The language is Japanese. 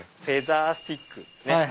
フェザースティックですね。